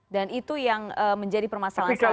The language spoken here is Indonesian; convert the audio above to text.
dan itu yang menjadi permasalahan saat ini